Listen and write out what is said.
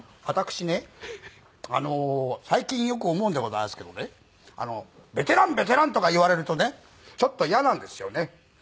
私ね最近よく思うんでございますけどねベテランベテランとか言われるとねちょっと嫌なんですよね。